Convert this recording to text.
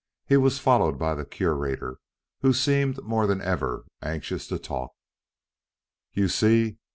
He was followed by the Curator, who seemed more than ever anxious to talk. "You see!